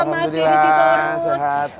mas dini fiturut